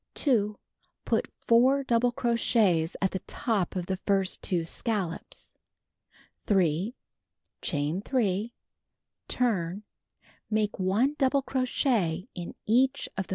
2. Put 4 double crochets at the top of the first two scallops. 3. Chain 3. Turn. Make 1 double crochet in each of crochets.